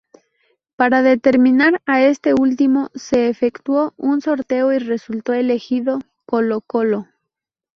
Para determinar a este último, se efectuó un sorteo y resultó elegido Colo-Colo.